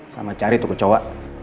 sama cari tuh kecoa